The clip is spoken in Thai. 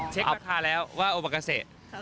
เช็คราคาแล้วว่าโอมากาเซ่